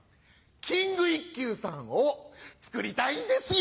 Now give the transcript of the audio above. キング一休さんをつくりたいんですよ！